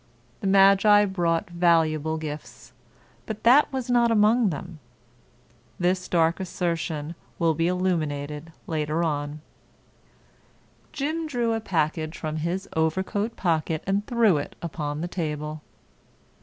The magi brought valuable gifts, but that was not among them. This dark assertion will be illuminated later on. Jim drew a package from his overcoat pocket and threw it upon the table.